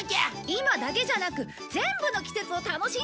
今だけじゃなく全部の季節を楽しんでやる！